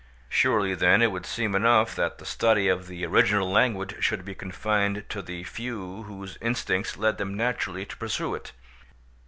Surely then it would seem enough that the study of the original language should be confined to the few whose instincts led them naturally to pursue it.